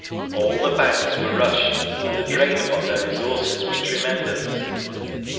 All the banks were rushed, and the drain upon their resources was tremendous. .